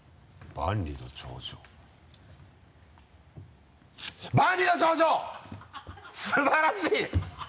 「万里の長城」素晴らしい！